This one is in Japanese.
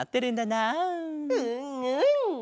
うんうん！